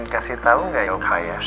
kasi tahu enggak